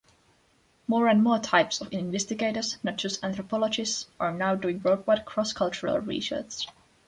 More and more types of investigators—not just anthropologists—are now doing worldwide cross-cultural research.